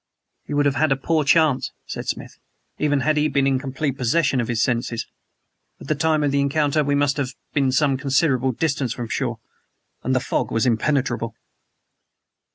"He would have had a poor chance," said Smith, "even had he been in complete possession of his senses. At the time of the encounter we must have been some considerable distance from shore, and the fog was impenetrable."